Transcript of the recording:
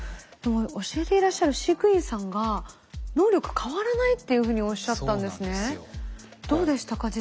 教えていらっしゃる飼育員さんが「能力変わらない」っていうふうにおっしゃったんですね。